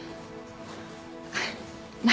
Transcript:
何？